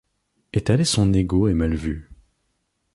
Étaler son ego est mal vu.